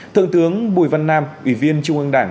thượng tướng bùi văn nam ủy viên trung ương đảng